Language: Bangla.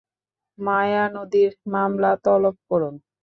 মায়ানদির মামলা তলব করুন।